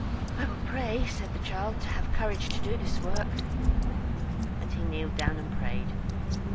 "I will pray," said the child, "to have courage to do this work." And he kneeled down and prayed.